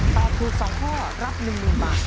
ตอบถูก๒ข้อรับ๑๐๐๐บาท